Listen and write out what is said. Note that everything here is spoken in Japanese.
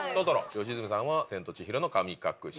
良純さんは『千と千尋の神隠し』。